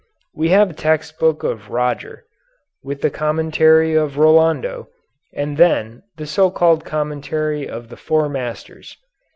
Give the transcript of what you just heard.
We have the text book of Roger, with the commentary of Rolando, and then the so called commentary of the Four Masters.